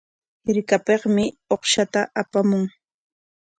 Hirkapikmi uqshta apamun.